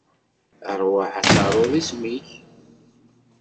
Rwaḥ ad taruḍ isem-ik.